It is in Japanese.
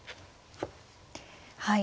はい。